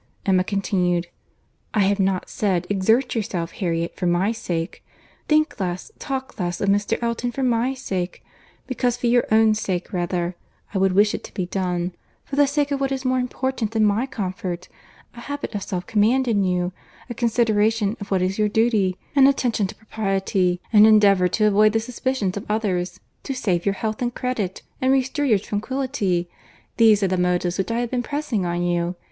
Emma continued, "I have not said, exert yourself Harriet for my sake; think less, talk less of Mr. Elton for my sake; because for your own sake rather, I would wish it to be done, for the sake of what is more important than my comfort, a habit of self command in you, a consideration of what is your duty, an attention to propriety, an endeavour to avoid the suspicions of others, to save your health and credit, and restore your tranquillity. These are the motives which I have been pressing on you.